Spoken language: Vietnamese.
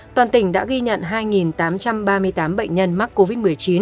toàn tỉnh đã ghi nhận hai tám trăm ba mươi tám bệnh nhân mắc covid một mươi chín